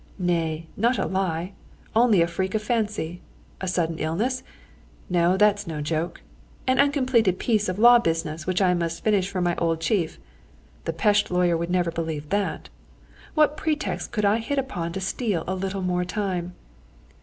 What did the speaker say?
Nay, not a lie, only a freak of fancy. A sudden illness? No, that's no joke. An uncompleted piece of law business, which I must finish for my old chief? The Pest lawyer will never believe that. What pretext could I hit upon to steal a little more time?